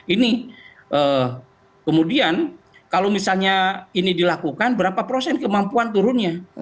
ini kemudian kalau misalnya ini dilakukan berapa prosen kemampuan turunnya